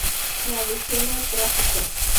La Decena Trágica.